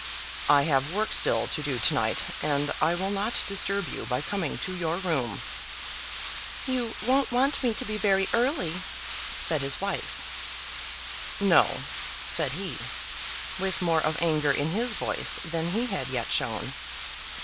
"I have work still to do to night, and I will not disturb you by coming to your room." "You won't want me to be very early?" said his wife. "No," said he, with more of anger in his voice than he had yet shown.